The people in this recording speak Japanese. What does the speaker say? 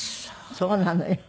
そうなのよ。